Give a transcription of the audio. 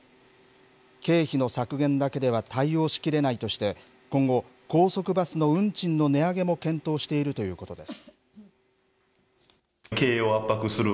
経費の削減だけでは対応しきれないとして、今後、高速バスの運賃の値上げも検討しているということです。